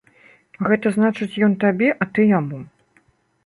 Гэта значыць, ён табе, а ты яму.